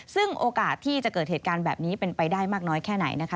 ซึ่งโอกาสที่จะเกิดเหตุการณ์แบบนี้เป็นไปได้มากน้อยแค่ไหนนะคะ